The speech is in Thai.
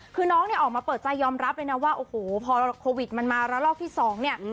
คือน้องเนี่ยออกมาเปิดใจยอมรับเลยนะว่าโอ้โหพอโควิดมันมาระลอกที่สองเนี่ย